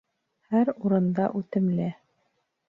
Һәр урында үтемле.